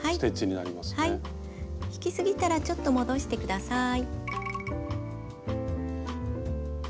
引きすぎたらちょっと戻してください。